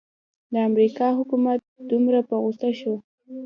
د امریکا حکومت دومره په غوسه شو.